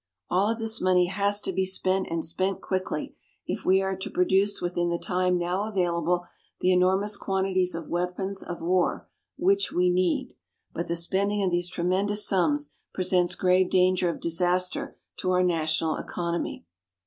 All of this money has to be spent and spent quickly if we are to produce within the time now available the enormous quantities of weapons of war which we need. But the spending of these tremendous sums presents grave danger of disaster to our national economy.